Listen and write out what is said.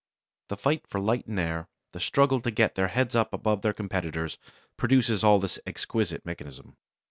The fight for light and air, the struggle to get their heads up above their competitors, produces all this exquisite mechanism.